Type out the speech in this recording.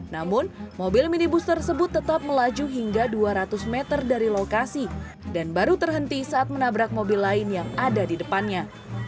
namun mobil minibus tersebut tetap melaju hingga dua ratus meter dari lokasi dan baru terhenti saat menabrak mobil lain yang ada di depannya